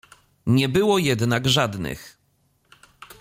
"Nie było jednak żadnych."